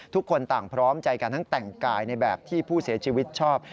ทุกคนต่างพร้อมใจกันทั้งแต่งกายในแบบที่ผู้เสียชีวิตชอบ